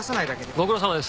ご苦労さまです。